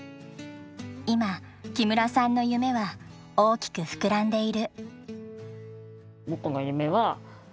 今木村さんの夢は大きく膨らんでいる。